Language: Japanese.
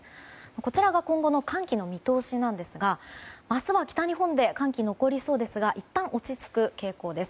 こちらが今後の寒気の見通しなんですが明日は北日本で寒気が残りそうですがいったん落ち着く傾向です。